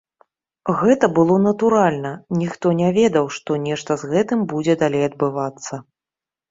Гэта было натуральна, ніхто не ведаў, што нешта з гэтым будзе далей адбывацца.